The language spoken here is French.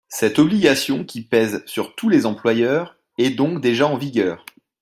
Cette obligation qui pèse sur tous les employeurs est donc déjà en vigueur.